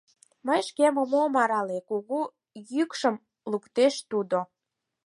— Мый шкемым ом арале! — кугу йӱкшым луктеш тудо.